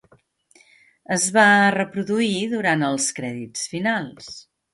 Es va reproduir durant els crèdits finals.